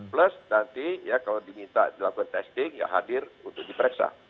plus nanti ya kalau diminta dilakukan testing ya hadir untuk diperiksa